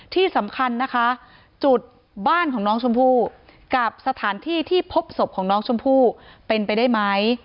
ที่สำคัญนะคะจุดบ้านของน้องชมพู่กับสถานที่ที่พบศพของน้องชมพู่เป็นไปได้ไหม